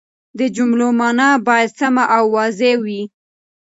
د جملو مانا باید سمه او واضحه وي.